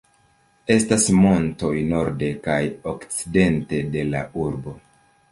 Estas montoj norde kaj okcidente de la urbo.